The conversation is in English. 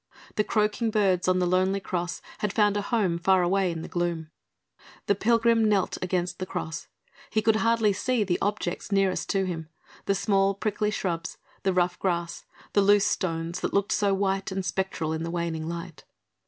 The croaking birds on the lonely Cross had found a home far away in the gloom. The pilgrim knelt against the Cross, he could hardly see the objects nearest to him, the small prickly shrubs, the rough grass, the loose stones that looked so white and spectral in the waning light.